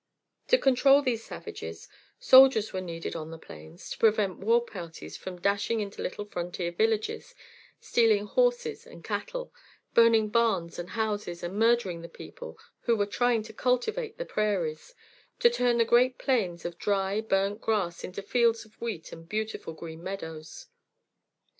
To control these savages, soldiers were needed on the plains, to prevent war parties from dashing into little frontier villages, stealing horses and cattle, burning barns and houses and murdering the people who were trying to cultivate the prairies, to turn the great plains of dry, burnt grass into fields of wheat and beautiful green meadows.